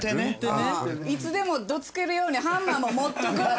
いつでもどつけるようにハンマーも持っとく！